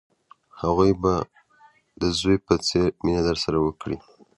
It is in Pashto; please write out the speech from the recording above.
هغوی به د زوی په څېر مینه درسره وکړي.